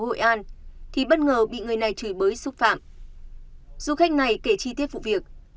hội an thì bất ngờ bị người này chửi bới xúc phạm du khách này kể chi tiết vụ việc